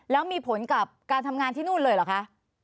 แล้วมีผลกับการทำงานที่นู่นเลยเหรอคะ